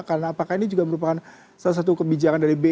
karena apakah ini juga merupakan salah satu kebijakan dari bu